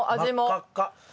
真っ赤っか。